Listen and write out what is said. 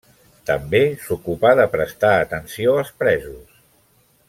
També s'ocupà de prestar atenció als presos.